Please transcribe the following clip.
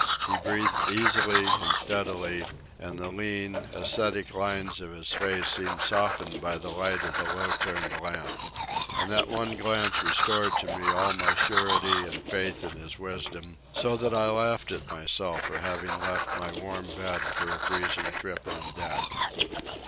He breathed easily and steadily, and the lean, ascetic lines of his face seemed softened by the light of the low turned lamp. And that one glance restored to me all my surety and faith in his wisdom, so that I laughed at myself for having left my warm bed for a freezing trip on deck.